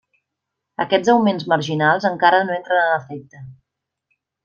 Aquests augments marginals encara no entren en efecte.